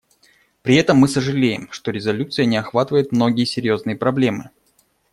При этом мы сожалеем, что резолюция не охватывает многие серьезные проблемы.